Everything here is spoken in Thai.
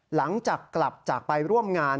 หลังจากกลับจากไปร่วมงาน